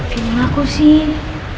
film aku sih